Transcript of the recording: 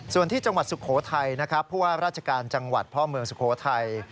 ส่วนที่จังหวัดสุโขทัยนะครับผู้ว่าราชการจังหวัดพ่อเมืองสุโขทัย